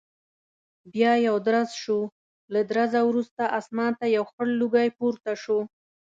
بیا یو درز شو، له درزه وروسته اسمان ته یو خړ لوګی پورته شو.